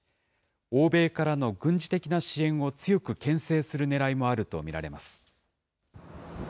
欧米からの軍事的な支援を強くけん制するねらいもあると見られます。